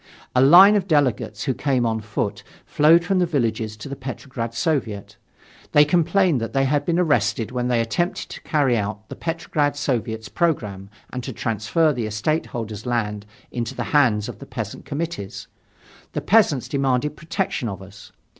A line of delegates, who came on foot, flowed from the villages to the Petrograd Soviet. They complained that they had been arrested when they attempted to carry out the Petrograd Soviet's programme and to transfer the estate holder's land into the hands of the peasant committees. The peasants demanded protection of us.